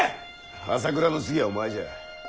朝倉の次はお前じゃ。